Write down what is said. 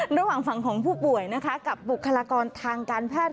ระหว่างฝั่งของผู้ป่วยนะคะกับบุคลากรทางการแพทย์